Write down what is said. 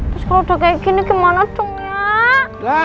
terus kalo udah kaya gini gimana tuh ya